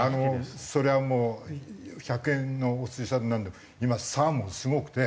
それはもう１００円のお寿司屋さんなんだけど今サーモンすごくて。